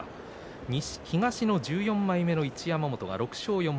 東の１４枚目の一山本６勝４敗